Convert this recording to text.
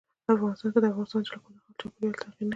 افغانستان کې د افغانستان جلکو د چاپېریال د تغیر نښه ده.